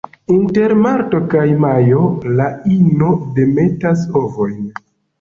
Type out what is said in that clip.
Inter marto kaj majo la ino demetas ovojn.